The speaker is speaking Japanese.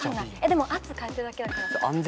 でも圧かえてるだけだから。